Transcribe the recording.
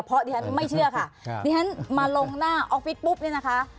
เพราะดิฉันไม่เชื่อค่ะดิฉันมาลงหน้าออฟฟิศปุ๊บเนี่ยนะคะ